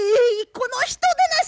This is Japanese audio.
この人でなし！